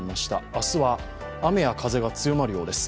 明日は、雨や風が強まるようです。